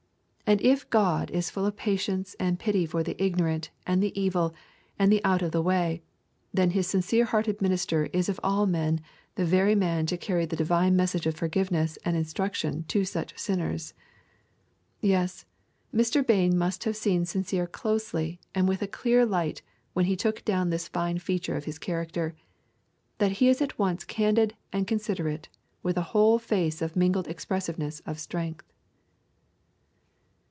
And if God is full of patience and pity for the ignorant and the evil and the out of the way, then His sincere hearted minister is of all men the very man to carry the divine message of forgiveness and instruction to such sinners. Yes, Mr. Bain must have seen Sincere closely and in a clear light when he took down this fine feature of his character, that he is at once candid and considerate with a whole face of mingled expressiveness and strength.